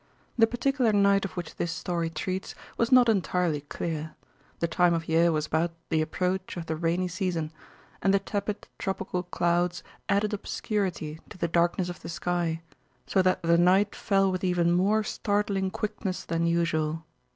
The particular night of which this story treats was not entirely clear; the time of year was about the approach of the rainy season, and the tepid, tropical clouds added obscurity to the darkness of the sky, so that the night fell with even more startling quickness than usual.